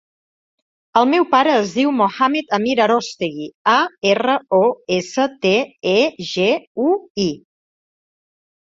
El meu pare es diu Mohamed amir Arostegui: a, erra, o, essa, te, e, ge, u, i.